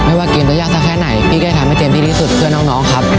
ว่าเกมจะยากสักแค่ไหนพี่ก็จะทำให้เต็มที่ที่สุดเพื่อน้องครับ